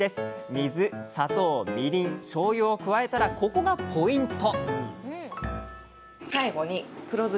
水砂糖みりんしょうゆを加えたらここがポイント！